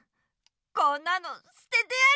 こんなのすててやる！